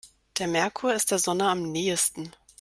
Der Merkur ist der Sonne am nähesten.